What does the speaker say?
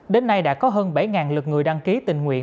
đến nay đã có hơn bảy lượt người đăng ký tình nguyện